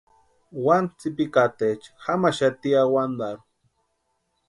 Wani tsïpikataecha jamaxati awantarhu.